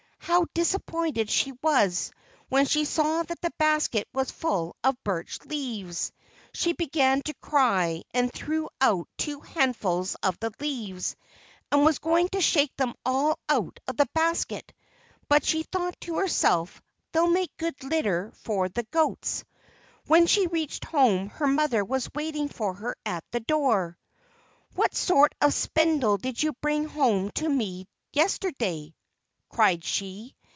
how disappointed she was when she saw that the basket was full of birch leaves! She began to cry, and threw out two handfuls of the leaves, and was going to shake them all out of the basket, but she thought to herself: "They'll make good litter for the goats." When she reached home her mother was waiting for her at the door. "What sort of a spindle did you bring home to me yesterday?" cried she.